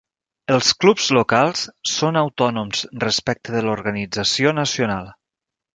Els clubs locals són autònoms respecte de l'organització nacional.